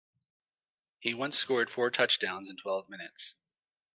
He once scored four touchdowns in twelve minutes.